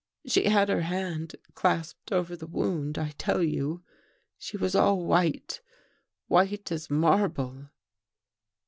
" She had her hand clasped over the wound, I tell you. She was all white — white as marble."